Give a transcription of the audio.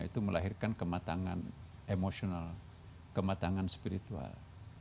itu melahirkan kematangan emosional kematangan spiritual